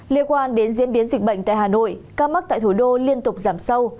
liên quan đến diễn biến dịch bệnh tại hà nội ca mắc tại thủ đô liên tục giảm sâu